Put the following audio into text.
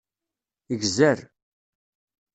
Gzer.